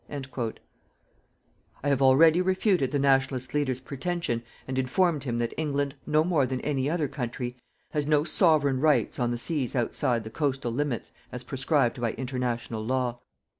"_ I have already refuted the Nationalist leader's pretention, and informed him that England, no more than any other country, has no "Sovereign rights" on the seas outside the coastal limits as prescribed by International Law.